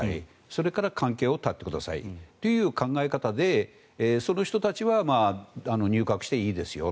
それから関係を断ってくださいという考え方でその人たちは入閣していいですよ